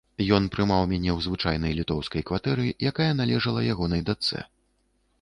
Ён прымаў мяне ў звычайнай літоўскай кватэры, якая належала ягонай дачцэ.